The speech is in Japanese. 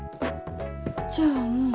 じゃあもう。